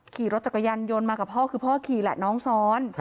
ขี่รถจักรยานยนต์มากับพ่อคือพ่อขี่แหละน้องซ้อน